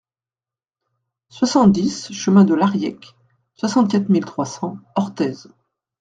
soixante-dix chemin de l'Arriec, soixante-quatre mille trois cents Orthez